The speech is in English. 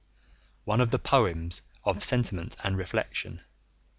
I. F.] One of the "Poems of Sentiment and Reflection."